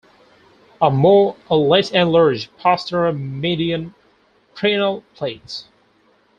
A more or less enlarged postero-median preanal plate.